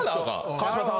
川島さん